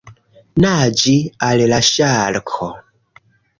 Naĝi al la ŝarko!